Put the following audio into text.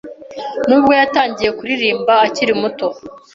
Nubwo yatangiye kuririmba akiri muto